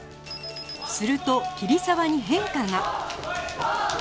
すると桐沢に変化が